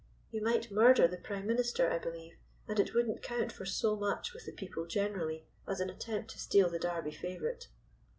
You might murder the Prime Minister, I believe, and it wouldn't count for so much with the people generally as an attempt to steal the Derby favorite."